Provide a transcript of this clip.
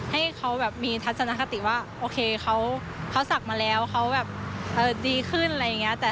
ให้เขาแบบมีทัศนคติว่าโอเคเขาศักดิ์มาแล้วเขาแบบดีขึ้นอะไรอย่างนี้